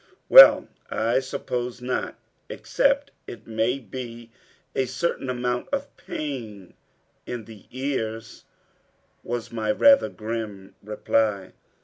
"Well, I suppose not, except it may be a certain amount of pain in the ears," was my rather grim reply.